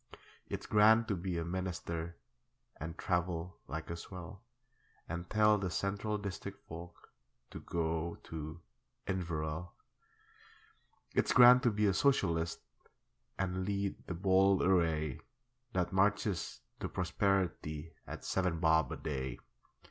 It's grand to be a Minister And travel like a swell, And tell the Central District folk To go to Inverell. It's grand to be a Socialist And lead the bold array That marches to prosperity At seven bob a day.